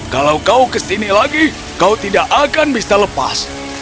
kalau kau ke sini lagi kau tidak akan menemukan aku